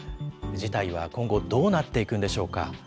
事態は今後、どうなっていくんでしょうか。